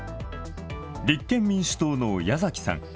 立憲民主党の矢崎さん。